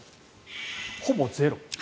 ほぼゼロ。